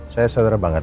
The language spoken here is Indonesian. saya saudara banget